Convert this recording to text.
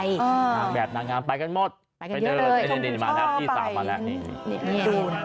ในทางแบบทางงานไปกันหมดไปเดินมาทางที่สาวมาแล้ว